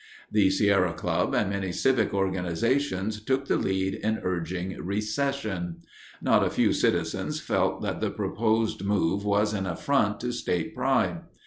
The Sierra Club and many civic organizations took the lead in urging recession. Not a few citizens felt that the proposed move was an affront to state pride.